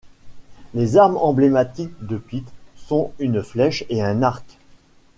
Les armes emblématiques de Pit sont une flèche et un arc.